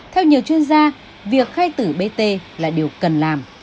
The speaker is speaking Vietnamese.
theo nhiều chuyên gia việc khai tử bt là điều cần làm